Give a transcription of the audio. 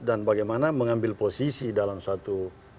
bagaimana mengambil posisi dalam satu